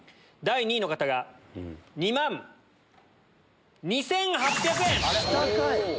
第２位の方が２万２８００円！